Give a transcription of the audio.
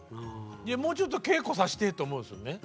もうちょっと稽古さしてと思うんですよね。